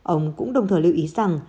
ông cũng đồng thời lưu ý rằng